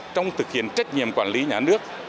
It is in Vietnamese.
trong thực hiện trách nhiệm quản lý nhà nước